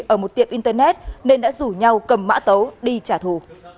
ở một tiệm internet nên đã rủ nhau cầm mã tấu đi trả thù